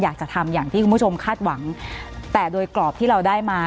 อยากจะทำอย่างที่คุณผู้ชมคาดหวังแต่โดยกรอบที่เราได้มา